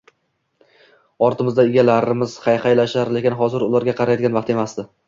Ortimizda egalarimiz hayhaylashar, lekin hozir ularga qaraydigan vaqt emasdi